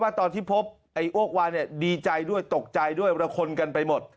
ตอนที่พบไอ้อ้วกวานเนี่ยดีใจด้วยตกใจด้วยละคนกันไปหมด